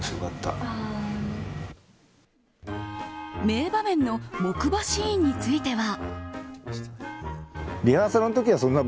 名場面の木馬シーンについては。